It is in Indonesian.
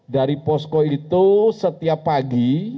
dari posko itu setiap pagi